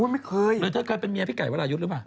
ไม่เคยหรือเธอเคยเป็นเมียพี่ไก่วรายุทธ์หรือเปล่า